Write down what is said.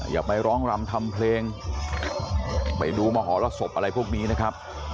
อย่าไปร้องรำทำเพลงไปดูมหรสบอะไรพวกนี้นะครับ